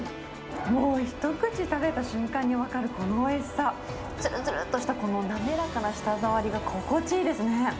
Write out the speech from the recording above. もう一口食べた瞬間に分かるこのおいしさ、つるつるっとしたこの滑らかな舌触りが心地いいですね。